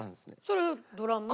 それドラム？